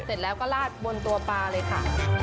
เสร็จแล้วก็ลาดบนตัวปลาเลยค่ะ